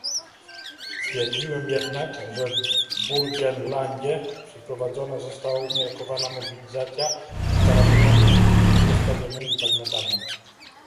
Twierdziłem jednak, że w Burgenlandzie przeprowadzona została ukierunkowana mobilizacja z karabinami i postawionymi bagnetami